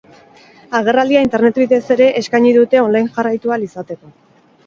Agerraldia internet bidez ere eskaini dute, online jarraitu ahal izateko.